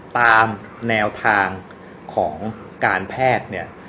ตามแนวทางของการแพทย์